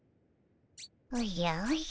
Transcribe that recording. おじゃおじゃ。